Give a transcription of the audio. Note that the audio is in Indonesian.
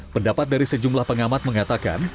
pendapat dari sejumlah pengamat mengatakan